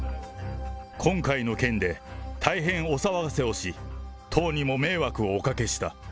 今回の件で、大変お騒がせをし、党にも迷惑をおかけした。